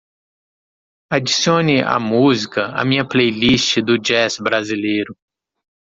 Adicione a música à minha playlist do jazz brasileiro.